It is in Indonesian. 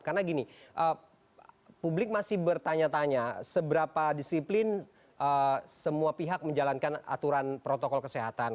karena gini publik masih bertanya tanya seberapa disiplin semua pihak menjalankan aturan protokol kesehatan